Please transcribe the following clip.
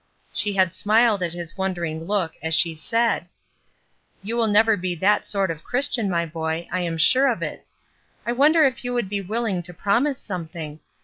She had smiled at his wondering look as she said: — 18 ESTER RIED'S NAMESAKE ''You will never be that sort of Christian, my boy, I am sxore of it. I wonder if you would be willing to promise something?